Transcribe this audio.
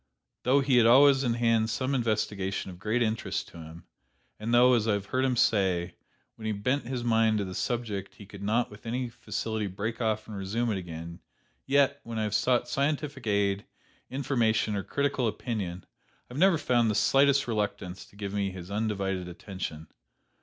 Though he had always in hand some investigation of great interest to him, and though, as I have heard him say, when he bent his mind to the subject he could not with any facility break off and resume it again, yet, when I have sought scientific aid, information or critical opinion, I never found the slightest reluctance to give me his undivided attention.